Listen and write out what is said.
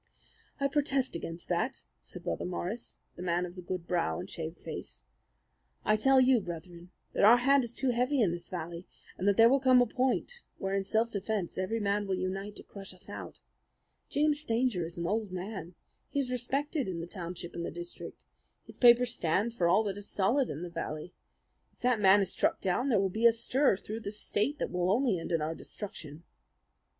"I protest against that," said Brother Morris, the man of the good brow and shaved face. "I tell you, Brethren, that our hand is too heavy in this valley, and that there will come a point where in self defense every man will unite to crush us out. James Stanger is an old man. He is respected in the township and the district. His paper stands for all that is solid in the valley. If that man is struck down, there will be a stir through this state that will only end with our destruction."